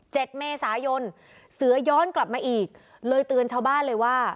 เมษายนเสือย้อนกลับมาอีกเลยเตือนชาวบ้านเลยว่า